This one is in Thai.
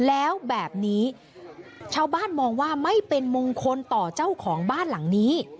แล้วแบบนี้ชาวบ้านมองว่าไม่เป็นมงคลต่อเจ้าของบ้านหลังนี้